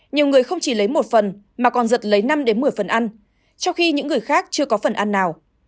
nhiều người không chỉ lấy một phần mà còn giật lấy năm một mươi phần ăn trong khi những người khác chưa có phần ăn nào